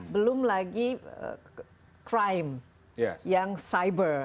belum lagi crime yang cyber